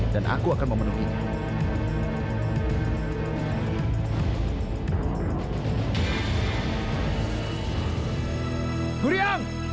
dan aku akan memenuhinya